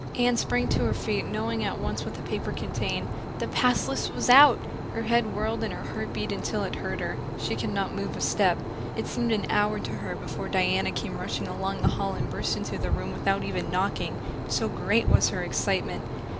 Anne sprang to her feet, knowing at once what that paper contained. The pass list was out! Her head whirled and her heart beat until it hurt her. She could not move a step. It seemed an hour to her before Diana came rushing along the hall and burst into the room without even knocking, so great was her excitement.